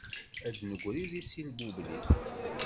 Ad d-negri di silbubli.